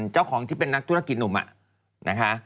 เจ้าของที่เป็นนักธุรกิจหนุ่มนะคะ